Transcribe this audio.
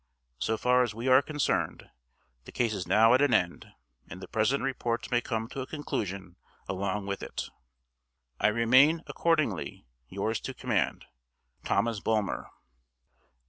So far as we are concerned, the case is now at an end, and the present report may come to a conclusion along with it. I remain, accordingly, yours to command, THOMAS BULMER.